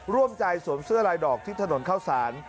ร่วมใจสวมเสื้อลายดอกที่ถนนเข้าสาร